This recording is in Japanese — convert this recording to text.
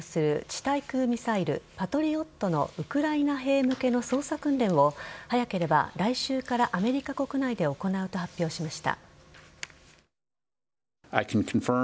対空ミサイル・パトリオットのウクライナ兵向けの操作訓練を早ければ来週からアメリカ国内で行うと発表しました。